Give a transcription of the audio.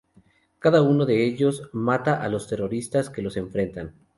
Cada uno de ellos mata a los terroristas que los enfrentan.